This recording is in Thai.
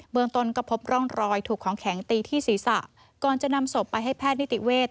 เมืองต้นก็พบร่องรอยถูกของแข็งตีที่ศีรษะก่อนจะนำศพไปให้แพทย์นิติเวศ